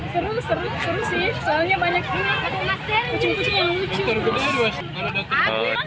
seru seru seru sih soalnya banyak anaknya kucing kucing yang lucu